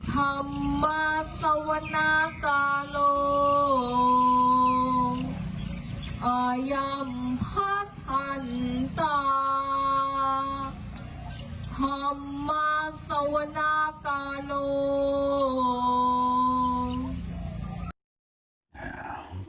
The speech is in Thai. ฮัมมาสวนากาลงอายัมภทันตาฮัมมาสวนากาลง